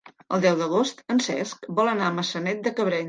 El deu d'agost en Cesc vol anar a Maçanet de Cabrenys.